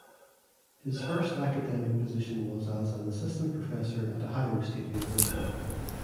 His first academic position was as an Assistant Professor at Ohio State University.